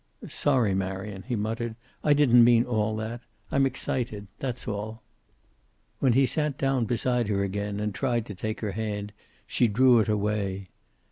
"Sorry, Marion," he muttered. "I didn't mean all that. I'm excited. That's all." When he sat down beside her again and tried to take her hand, she drew it away.